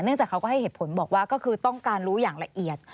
จากเขาก็ให้เหตุผลบอกว่าก็คือต้องการรู้อย่างละเอียด